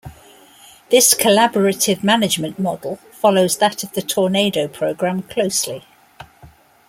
This collaborative management model follows that of the Tornado programme closely.